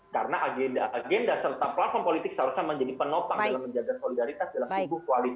karena agenda agenda serta platform politik selesai menjadi penopang dalam menjaga solidaritas dalam tubuh koalisi